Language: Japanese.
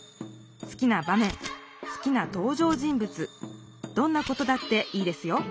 すきな場めんすきなとう場人ぶつどんなことだっていいですよ